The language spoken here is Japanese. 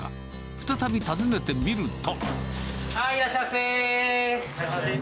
再び訪ねてみると。